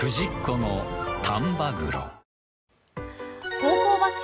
高校バスケ